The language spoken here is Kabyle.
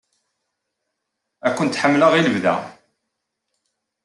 Ad kent-ḥemmleɣ i lebda.